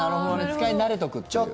使い慣れとくっていう。